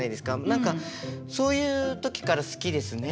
何かそういう時から好きですね。